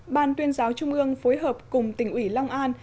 ban tuyên giáo trung ương phối hợp cùng tỉnh ủy long an